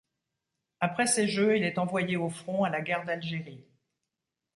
Après ces Jeux, il est envoyé au front à la Guerre d'Algérie.